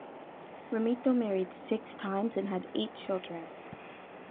Ramito married six times and had eight children.